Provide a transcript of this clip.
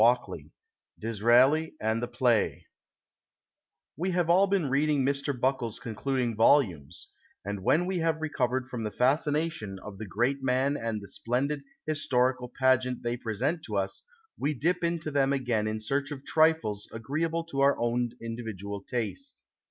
148 DISRAELI AND THE PLAY We have all been reading Mr. Buckle's concluding volumes, and when we have recovered from the fascination of the great man and the splendid historical pageant they present to us, we dip into them again in search of trifles agreeable to our own individual taste.